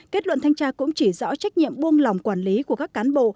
kết luận thanh tra cũng chỉ rõ trách nhiệm buông lòng quản lý của các cán bộ